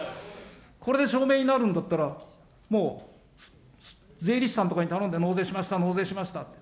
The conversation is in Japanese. これで証明になるんだったら、もう税理士さんとかに頼んで、納税しました、納税しましたって。